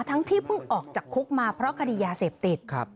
ที่เพิ่งออกจากคุกมาเพราะคดียาเสพติด